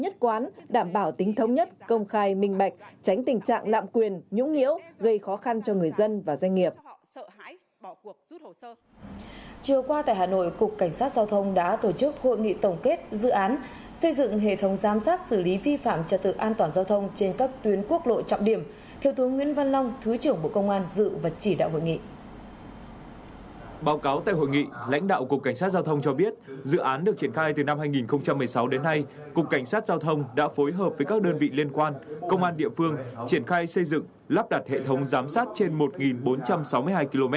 cục cảnh sát giao thông đã phối hợp với các đơn vị liên quan công an địa phương triển khai xây dựng lắp đặt hệ thống giám sát trên một bốn trăm sáu mươi hai km